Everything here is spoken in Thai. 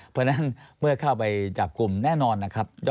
เพราะฉะนั้นเมื่อเข้าไปจับกลุ่มแน่นอนนะครับ